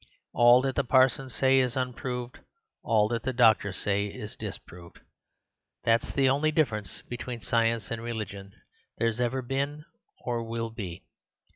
All that the parsons say is unproved. All that the doctors say is disproved. That's the only difference between science and religion there's ever been, or will be.